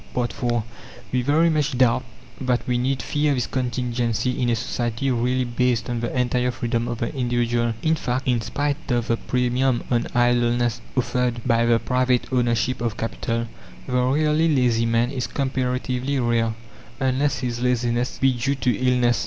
IV We very much doubt that we need fear this contingency in a society really based on the entire freedom of the individual. In fact, in spite of the premium on idleness offered by the private ownership of capital, the really lazy man is comparatively rare, unless his laziness be due to illness.